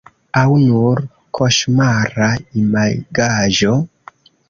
Aŭ nur koŝmara imagaĵo?